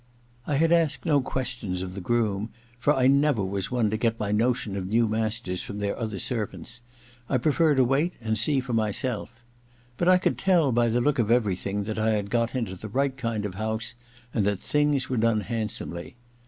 I had asked no questions of the groom, for I never was one to get my notion of new masters from their other servants : I prefer to wait and see for myself. But I could tell by the look of 124 THE LADY'S MAID'S BELL i everything that I had got into the right kind of house, and that things were done handsomely.